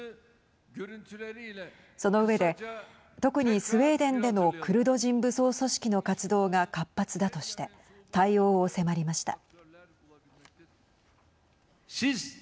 その上で特に、スウェーデンでのクルド人武装組織の活動が活発だとして対応を迫りました。